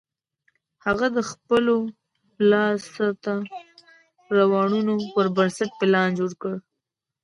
هغه د خپلو لاسته رواړنو پر بنسټ پلان جوړ کړ